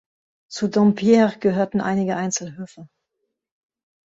Zu Dompierre gehören einige Einzelhöfe.